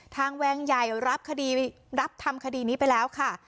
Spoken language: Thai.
แวงใหญ่รับคดีรับทำคดีนี้ไปแล้วค่ะ